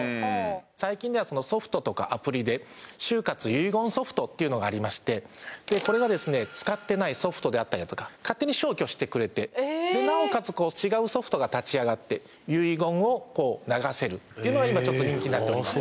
最近ではソフトとかアプリで終活遺言ソフトっていうのがありましてでこれがですね使ってないソフトであったりだとか勝手に消去してくれてでなおかつ違うソフトが立ち上がって遺言を流せるっていうのが今人気になっております